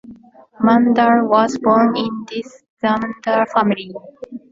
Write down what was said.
Mandal was born in this zamindar family.